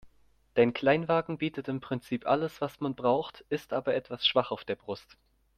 Dein Kleinwagen bietet im Prinzip alles, was man braucht, ist aber etwas schwach auf der Brust.